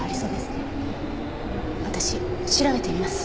私調べてみます。